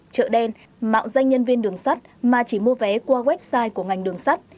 trợ đen mạo xanh nhân viên đường sắt mà chỉ mua vé qua website của ngành đường sắt